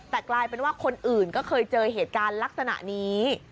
แต่กลายเป็นว่าคนอื่นก็เคยเจอเหตุการณ์ลักษณะนี้